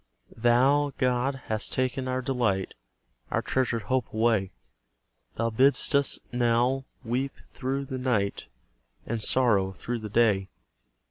Thou, God, hast taken our delight, Our treasured hope away: Thou bid'st us now weep through the night And sorrow through the day.